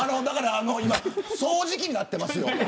今、掃除機になってますよ。